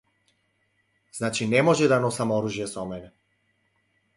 Значи не може да носам оружје со мене.